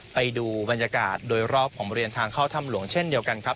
ไปดูบรรยากาศโดยรอบของบริเวณทางเข้าถ้ำหลวงเช่นเดียวกันครับ